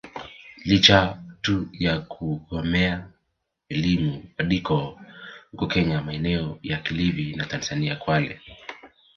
Licha tu ya kugomea elimu wadigo huko kenya maeneo ya kilifi na Tanzania Kwale